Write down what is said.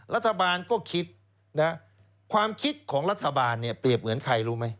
รัฐบาลก็คิดนะความคิดของรัฐบาลเนี่ยเปรียบเหมือนใครรู้ไหม